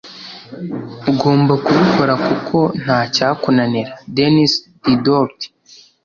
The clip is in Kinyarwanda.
ugomba kubikora kuko ntacyakunanira. - denis diderot